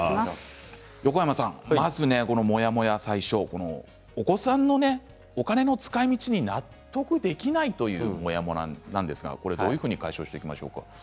モヤモヤ、最初お子さんのお金の使いみちに納得できないというモヤモヤはどういうふうに解消してきましょうか。